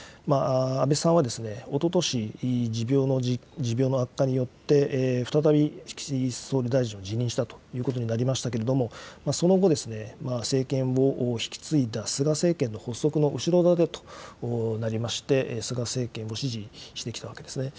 安倍さんは、おととし、持病の悪化によって再び総理大臣を辞任したということになりましたけれども、その後、政権を引き継いだ菅政権の発足の後ろ盾となりまして、菅政権を支持してきたわけですね。